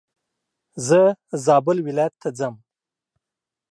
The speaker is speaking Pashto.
زه زابل ولايت ته ځم.